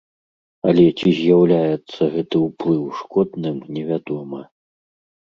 Але ці з'яўляецца гэты ўплыў шкодным, невядома.